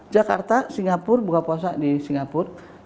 jakarta singapura buka puasa di singapura